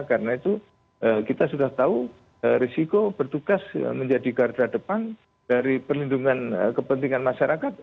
karena itu kita sudah tahu risiko bertugas menjadi garda depan dari perlindungan kepentingan masyarakat